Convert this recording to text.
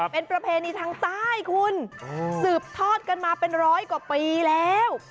เป็นประเพณีทางใต้คุณสืบทอดกันมาเป็นร้อยกว่าปีแล้ว